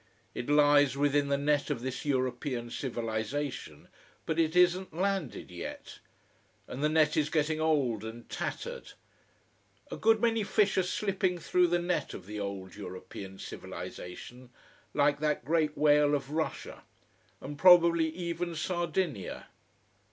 It lies within the net of this European civilisation, but it isn't landed yet. And the net is getting old and tattered. A good many fish are slipping through the net of the old European civilisation. Like that great whale of Russia. And probably even Sardinia.